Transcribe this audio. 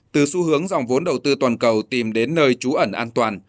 từ xu hướng dòng vốn đầu tư toàn cầu tìm đến nơi trú ẩn an toàn